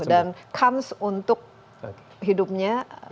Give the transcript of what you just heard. dan kans untuk hidupnya